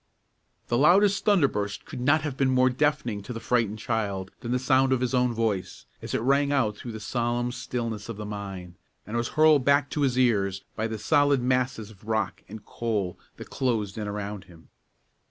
The loudest thunder burst could not have been more deafening to the frightened child than the sound of his own voice, as it rang out through the solemn stillness of the mine, and was hurled back to his ears by the solid masses of rock and coal that closed in around him.